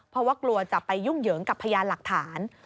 เพราะว่ากลัวจะไปยุ่งเหยิงกับพยานหลักฐาน